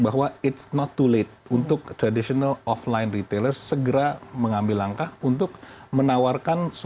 bahwa it's not too late untuk traditional offline retailer segera mengambil langkah untuk menawarkan solusi tambahan pada e commerce